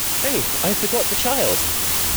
Faith, I forgot the child!